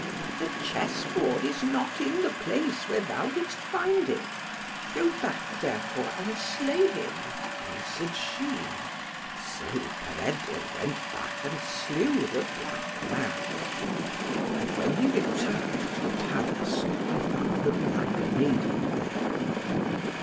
"The chessboard is not in the place where thou didst find it; go back, therefore, and slay him," answered she. So Peredur went back, and slew the black man. And when he returned to the palace, he found the black maiden there.